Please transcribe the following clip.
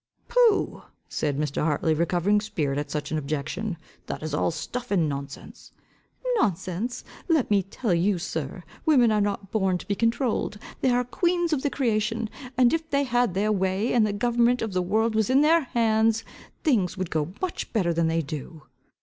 "Pooh," said Mr. Hartley, recovering spirit at such an objection, "that is all stuff and nonsense." "Nonsense! Let me tell you, sir, women are not born to be controled. They are queens of the creation, and if they had their way, and the government of the world was in their hands, things would go much better than they do."